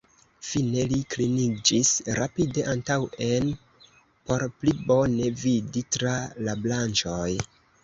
Fine li kliniĝis rapide antaŭen por pli bone vidi tra la branĉoj.